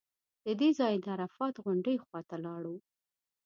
له دې ځایه د عرفات غونډۍ خوا ته لاړو.